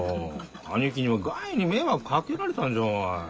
兄貴にはがいに迷惑かけられたんじゃわい。